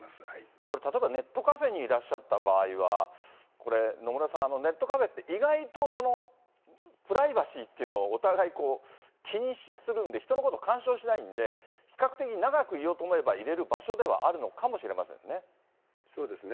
これ例えば、ネットカフェにいらっしゃった場合は、これ、野村さん、ネットカフェって意外とプライバシーっていうのを、お互い気にするんで、人のこと干渉しないんで、比較的長くいようと思えば、いれる場所ではあるのそうですね。